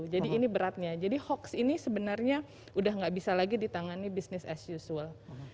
jadi ini beratnya jadi hoaks ini sebenarnya sudah tidak bisa lagi ditangani bisnis as usual